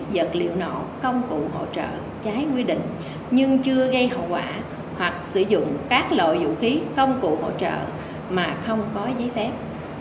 vật liệu nổ công cụ hỗ trợ trái quy định nhưng chưa gây hậu quả hoặc sử dụng các loại vũ khí công cụ hỗ trợ mà không có giấy phép